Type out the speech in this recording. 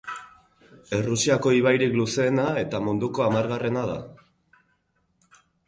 Errusiako ibairik luzeena eta munduko hamargarrena da.